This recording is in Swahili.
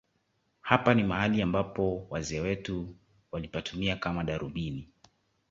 Hapa ni mahali ambapo wazee wetu walipatumia kama darubini